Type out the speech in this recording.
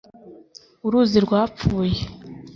uruzi rwapfuye